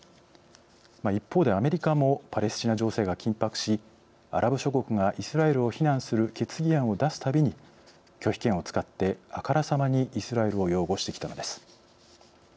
一方で、アメリカもパレスチナ情勢が緊迫しアラブ諸国がイスラエルを非難する決議案を出すたびに拒否権を使って、あからさまにイスラエルを擁護してきたのです。